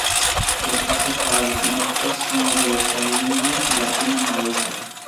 Los casos paradigmáticos son los del estalinismo y la China maoísta.